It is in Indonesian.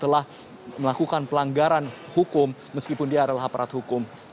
telah melakukan pelanggaran hukum meskipun dia adalah aparat hukum